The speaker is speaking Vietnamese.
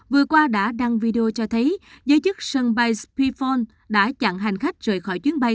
vừa qua đã đăng video cho thấy giới chức sân bay spifone đã chặn hành khách rời khỏi chuyến bay